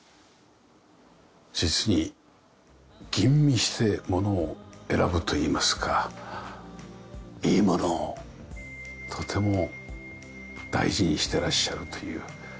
実に吟味して物を選ぶといいますかいいものをとても大事にしてらっしゃるという。